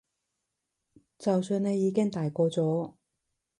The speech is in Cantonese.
就算你已經大個咗